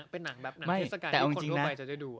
เป็นหนังแบบหนังเทศกาลที่คนทั่วไปจะได้ดู